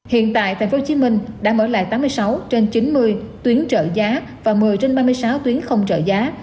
hiện tại tp hcm đã mở lại tám mươi sáu trên chín mươi tuyến trợ giá và một mươi trên ba mươi sáu tuyến không trợ giá